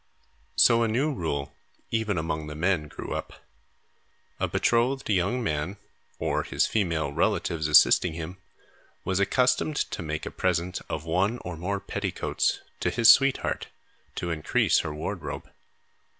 So, a new rule, even among the men, grew up. A betrothed young man, or his female relatives assisting him, was accustomed to make a present of one or more petticoats to his sweetheart to increase her wardrobe.